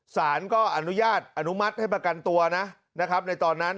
สารก็อนุญาตอนุมัติให้ประกันตัวนะครับในตอนนั้น